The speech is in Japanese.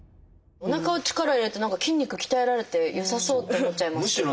おなかは力を入れると筋肉鍛えられて良さそうって思っちゃいますけど。